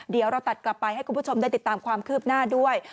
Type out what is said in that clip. เดี๋ยวเราตัดกลับไปให้คุณผู้ชมได้ติดตามความคืบหน้าด้วย